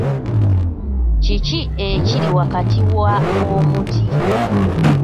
Kiki ekiri wakati wa omuti?